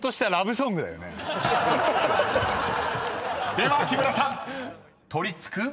［では木村さん「取り付く」］